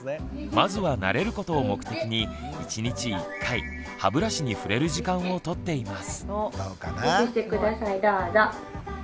まずは慣れることを目的に１日１回歯ブラシに触れる時間をとっています。